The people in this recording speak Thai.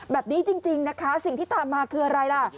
แบบนี้จริงนะคะสิ่งที่ตามมาคืออะไรล่ะ